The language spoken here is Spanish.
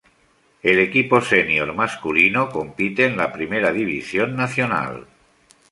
El equipo senior masculino compite en la Primera División Nacional.